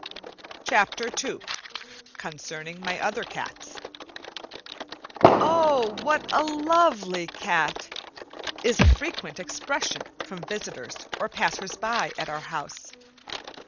CHAPTER II CONCERNING MY OTHER CATS "Oh, what a lovely cat!" is a frequent expression from visitors or passers by at our house.